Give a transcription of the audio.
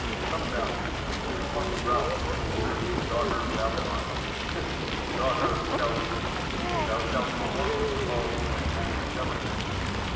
"Come down, sit upon the ground, O virgin daughter of Babylon; sit, O daughter of the Chaldeans; thou shalt no longer be called tender and delicate.